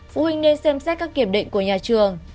phụ huynh nên xem xét các kiểm định của nhà trường